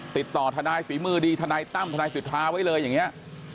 ทนายฝีมือดีทนายตั้มทนายสิทธาไว้เลยอย่างนี้